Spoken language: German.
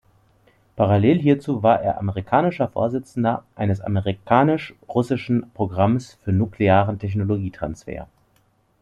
Parallel hierzu war er amerikanischer Vorsitzender eines amerikanisch-russischen Programms für nuklearen Technologietransfer.